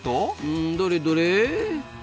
うんどれどれ？